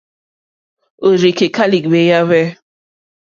Òrzìkèká lìɡbèáhwɛ̂.